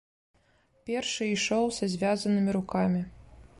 Першы ішоў са звязанымі рукамі.